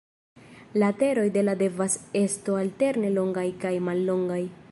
Lateroj de la devas esto alterne longaj kaj mallongaj.